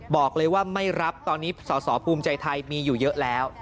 บอกเลยว่าไม่รับตอนนี้สอสอภูมิใจไทยมีอยู่เยอะแล้ว